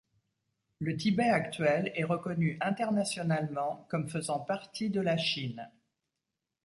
Le Tibet actuel est reconnu internationalement comme faisant partie de la Chine.